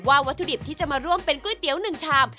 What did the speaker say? วัตถุดิบที่จะมาร่วมเป็นก๋วยเตี๋ยว๑ชาม